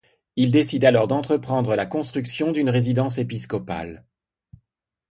Il décide alors d'entreprendre la construction d'une résidence épiscopale.